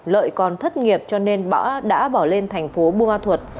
lợi còn thất nghiệp cho nên đã bỏ lên thành phố buôn ma thuật